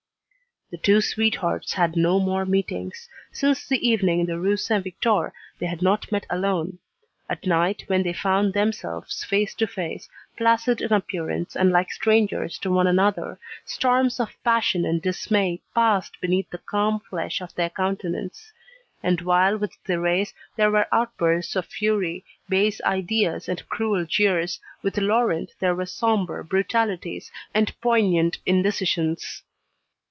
The two sweethearts had no more meetings. Since the evening in the Rue Saint Victor they had not met alone. At night, when they found themselves face to face, placid in appearance and like strangers to one another, storms of passion and dismay passed beneath the calm flesh of their countenance. And while with Thérèse, there were outbursts of fury, base ideas, and cruel jeers, with Laurent there were sombre brutalities, and poignant indecisions.